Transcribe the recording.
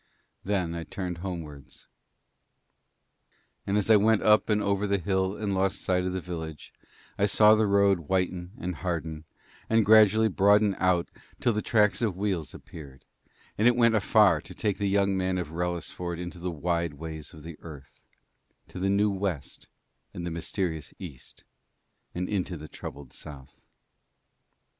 Then I turned homewards; and as I went up and over the hill and lost the sight of the village, I saw the road whiten and harden and gradually broaden out till the tracks of wheels appeared; and it went afar to take the young men of Wrellisford into the wide ways of the earth to the new West and the mysterious East, and into the troubled South.